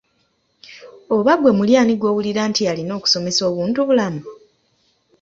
Oba ggwe muli ani gwowulira nti yalina okukusomesa obuntu bulamu?